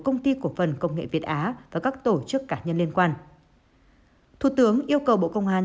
công ty cổ phần công nghệ việt á và các tổ chức cá nhân liên quan thủ tướng yêu cầu bộ công an